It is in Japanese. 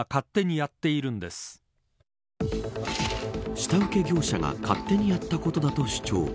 下請け業者が勝手にやったことだと主張。